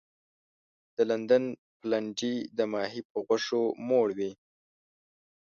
د لندن پلنډي د ماهي په غوښو موړ وي.